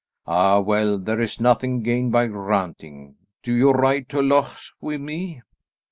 Ah, well, there is nothing gained by ranting. Do you ride to Loches with me?"